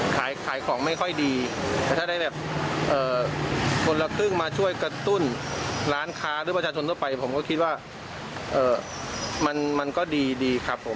ขายขายของไม่ค่อยดีแต่ถ้าได้แบบคนละครึ่งมาช่วยกระตุ้นร้านค้าหรือประชาชนทั่วไปผมก็คิดว่ามันก็ดีครับผม